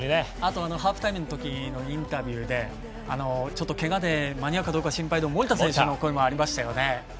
ハーフタイムのときのインタビューでけがで間に合うかどうか心配な守田選手の声もありました。